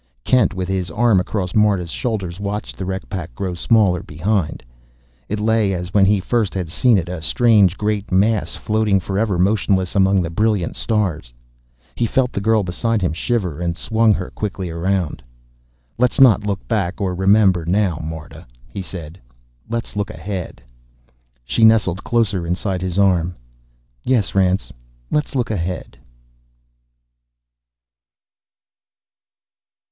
Kent, with his arm across Marta's shoulders, watched the wreck pack grow smaller behind. It lay as when he first had seen it, a strange great mass, floating forever motionless among the brilliant stars. He felt the girl beside him shiver, and swung her quickly around. "Let's not look back or remember now, Marta!" he said. "Let's look ahead." She nestled closer inside his arm. "Yes, Rance. Let's look ahead."